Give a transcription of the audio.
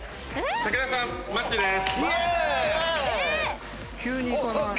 光一さんマッチです。